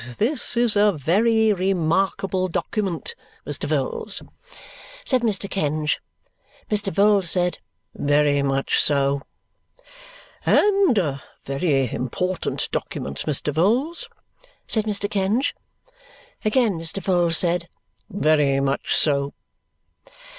But this is a very remarkable document, Mr. Vholes," said Mr. Kenge. Mr. Vholes said, "Very much so." "And a very important document, Mr. Vholes," said Mr. Kenge. Again Mr. Vholes said, "Very much so."